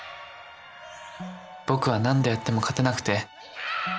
僕は何度やっても勝てなくて。